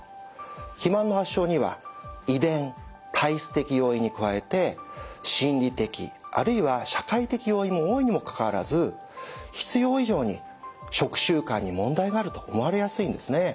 肥満の発症には遺伝体質的要因に加えて心理的あるいは社会的要因も多いにもかかわらず必要以上に食習慣に問題があると思われやすいんですね。